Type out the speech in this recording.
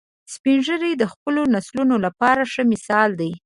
سپین ږیری د خپلو نسلونو لپاره ښه مثال دي